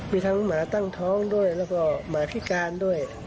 มีทั้งหมาตั้งท้องด้วยแล้วก็หมาพิการด้วย